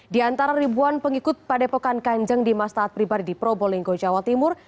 di antara ribuan pengikut padepokan kanjeng di mas taat pribadi di probolinggo jawa timur